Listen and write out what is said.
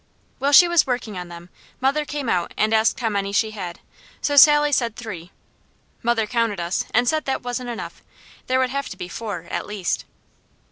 While she was working on them mother came out and asked how many she had, so Sally said three. Mother counted us and said that wasn't enough; there would have to be four at least.